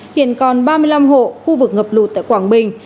hiện còn ba mươi năm hộ khu vực ngập lụt tại quảng bình